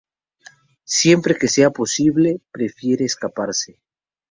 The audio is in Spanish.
Siempre que sea posible, prefiere escaparse.